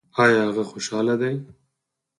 ایا هغه خوشحاله دی؟